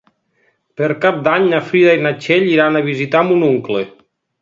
Per Cap d'Any na Frida i na Txell iran a visitar mon oncle.